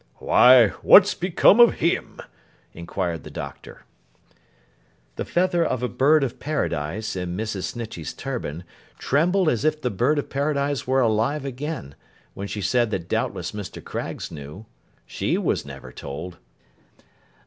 'Why, what's become of him?' inquired the Doctor. The feather of a Bird of Paradise in Mrs. Snitchey's turban, trembled as if the Bird of Paradise were alive again, when she said that doubtless Mr. Craggs knew. She was never told.